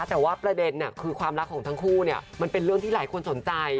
แต่ว่าประเด็นคือความรักของทั้งคู่เนี่ยมันเป็นเรื่องที่หลายคนสนใจ